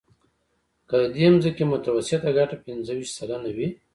که د دې ځمکې متوسطه ګټه پنځه ویشت سلنه وي